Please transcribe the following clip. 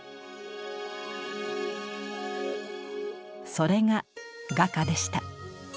それが画家でした。